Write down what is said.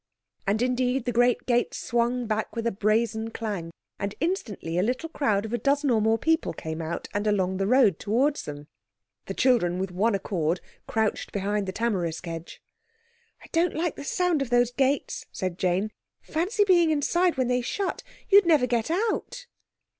And indeed the great gates swung back with a brazen clang, and instantly a little crowd of a dozen or more people came out and along the road towards them. The children, with one accord, crouched behind the tamarisk hedge. "I don't like the sound of those gates," said Jane. "Fancy being inside when they shut. You'd never get out."